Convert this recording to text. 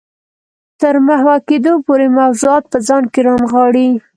تر محوه کېدو پورې موضوعات په ځان کې رانغاړي.